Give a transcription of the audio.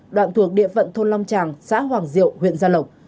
đoạn thuộc địa phận thôn long tràng xã hoàng diệu huyện gia lộc